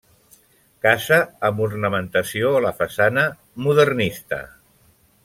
Casa amb ornamentació, a la façana, modernista.